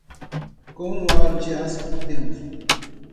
com um aro de aço por dentro